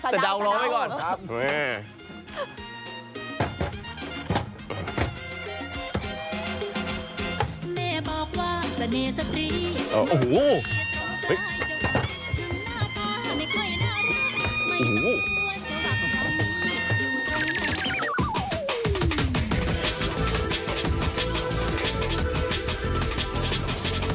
สะดาวไว้ก่อนนะครับเฮ่ย